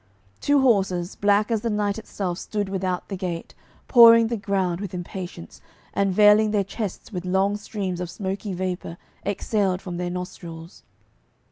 Two horses black as the night itself stood without the gate, pawing the ground with impatience, and veiling their chests with long streams of smoky vapour exhaled from their nostrils.